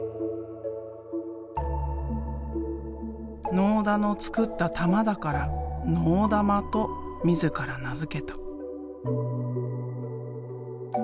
納田の作った玉だから「のうだま」と自ら名付けた。